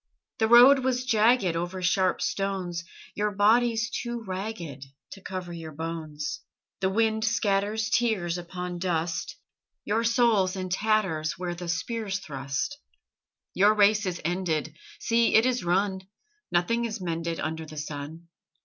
The road was jagged Over sharp stones: Your body's too ragged To cover your bones. The wind scatters Tears upon dust; Your soul's in tatters Where the spears thrust. Your race is ended See, it is run: Nothing is mended Under the sun.